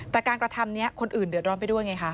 แต่การกระทำนี้คนอื่นเดือดร้อนไปด้วยไงคะ